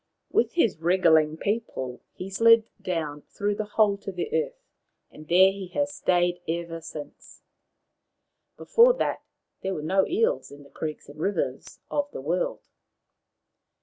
With his wriggling people he slid down through Tawhaki's Climb 41 the hole to the earth, and here he has stayed ever since. Before that there were no eels in the creeks and rivers of the world.